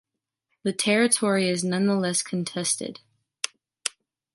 The territory is nonetheless contested.